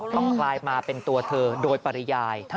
ต้องกลายมาเป็นตัวเธอโดยปริญญา